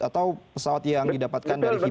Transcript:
atau pesawat yang didapatkan dari fit